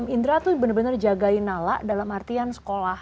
indra tuh bener bener jagain nala dalam artian sekolah